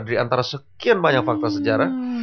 di antara sekian banyak fakta sejarah